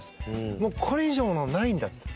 もうこれ以上のものないんだって。